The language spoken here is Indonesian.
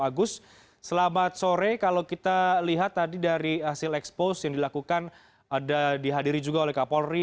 agus selamat sore kalau kita lihat tadi dari hasil expose yang dilakukan ada dihadiri juga oleh kapolri